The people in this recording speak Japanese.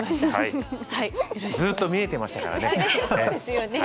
ずっと見えてましたからね。